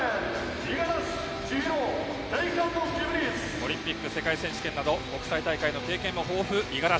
オリンピック、世界選手権など国際大会の経験も豊富、五十嵐。